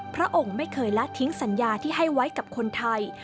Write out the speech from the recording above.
พระองค์ไม่เคยละทิ้งสัญญาที่ให้ไว้กับคนไทย